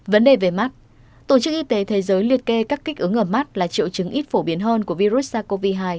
vấn đề về mắt tổ chức y tế thế giới liệt kê các kích ứng ở mắt là triệu chứng ít phổ biến hơn của virus sars cov hai